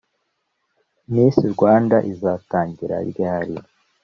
Miss rwanda iza tanjyira ryari?